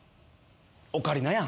オカリナやん。